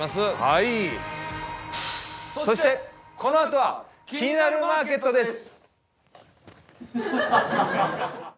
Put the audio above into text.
はいそしてこのあとは「キニナルマーケット」です